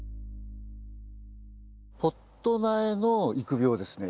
ポット苗の育苗ですね